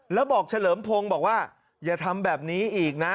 แล้วบอกเฉลิมพงศ์บอกว่าอย่าทำแบบนี้อีกนะ